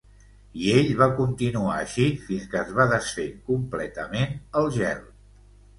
I ell va continuar així fins que es va desfer completament el gel.